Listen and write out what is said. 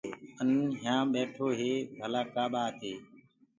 آن يهآ بيٺو هي ڀلآ ڪآ ٻآت هي۔